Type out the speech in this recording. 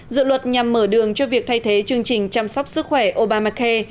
dự luật nhằm mở đường cho việc thay thế chương trình chăm sóc sức khỏe obamacare